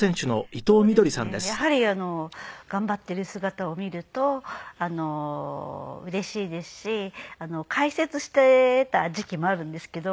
そうですねやはり頑張っている姿を見るとうれしいですし解説していた時期もあるんですけど思わず。